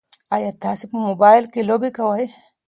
ایا تاسي په موبایل کې لوبې کوئ؟